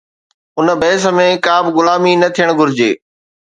ان بحث ۾ ڪا به غلامي نه ٿيڻ گهرجي